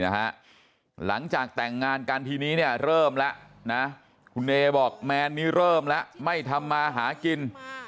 หลังจากแต่งงานกันทีนี้เนี่ยเริ่มแล้วนะคุณเอบอกแมนนี้เริ่มแล้วไม่ทำมาหากิน